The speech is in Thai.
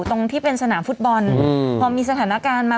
ตรงที่เป็นสนามฟุตบอลพอมีสถานการณ์มา